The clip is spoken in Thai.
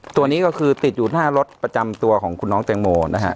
ตัวนี้ก็คือติดอยู่หน้ารถประจำตัวของคุณน้องแตงโมนะฮะ